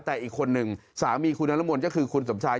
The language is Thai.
แต่อีกคนนึงสามีคุณนรมนต์ก็คือคุณสมชาย